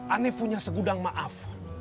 anaknya punya segudang maaf